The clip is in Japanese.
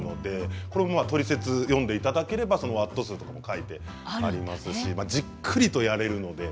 これもまあトリセツ読んでいただければワット数とかも書いてありますしじっくりとやれるので。